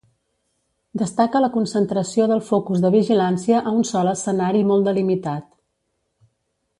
Destaca la concentració del focus de vigilància a un sol escenari molt delimitat.